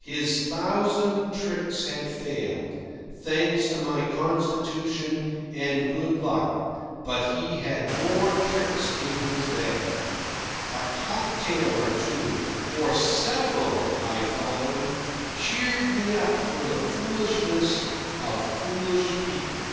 His thousand tricks had failed, thanks to my constitution and good luck, but he had more tricks in his bag. A cocktail or two, or several, I found, cheered me up for the foolishness of foolish people.